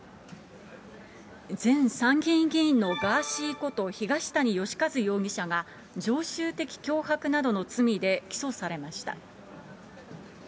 前参議院議員のガーシーこと東谷義和容疑者が、常習的脅迫などの罪で起訴されました。